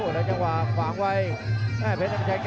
แล้วทำงานหวังไหว